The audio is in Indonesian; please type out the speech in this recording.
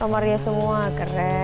romaria semua keren